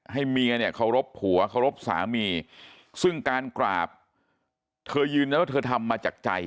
เมียเนี่ยเคารพผัวเคารพสามีซึ่งการกราบเธอยืนยันว่าเธอทำมาจากใจ